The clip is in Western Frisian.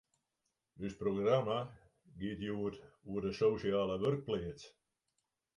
Us programma giet jûn oer de sosjale wurkpleats.